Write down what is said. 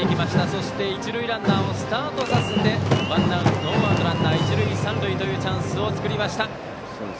そして、一塁ランナーをスタートさせてノーアウトランナー、一塁三塁というチャンスを作りました。